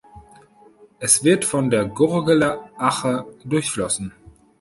Es wird von der Gurgler Ache durchflossen.